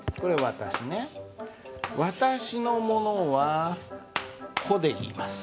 私のものは「こ」で言います。